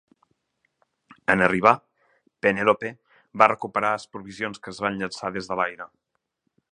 En arribar, "Penelope" va recuperar es provisions que es van llançar des de l'aire.